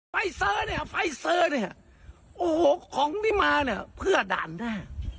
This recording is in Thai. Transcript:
ไฟเซอร์เนี่ยไฟเซอร์เนี่ยโอ้โหของที่มาเนี่ยเพื่อด่านหน้า